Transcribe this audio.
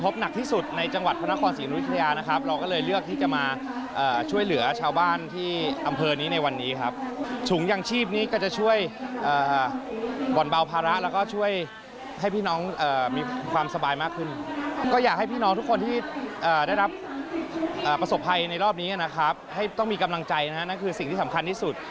มีกำลังใจนะนั่นคือสิ่งที่สำคัญที่สุด